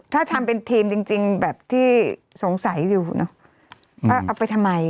ถ้าทำเป็นทีมจริงแบบที่สงสัยอยู่เนอะว่าเอาไปทำไม